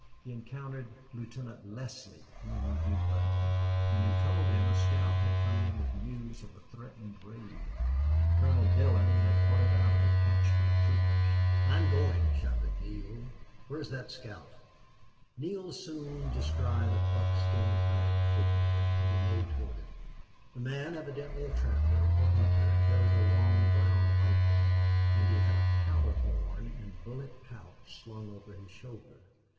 He encountered Lieutenant Leslie, whom he knew well, and who told him a scout had come in with news of a threatened raid; Colonel Dillon had ordered out a detachment of troopers. "I'm going," shouted Neale. "Where's that scout?" Neale soon descried a buckskin clad figure, and he made toward it. The man, evidently a trapper or hunter, carried a long, brown rifle, and he had a powder horn and bullet pouch slung over his shoulder.